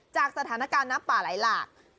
จากสถานการณ์น้ำป่าไหลหลาก